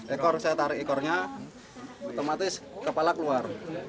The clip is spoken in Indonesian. ekor saya tarik ekornya otomatis kepala keluar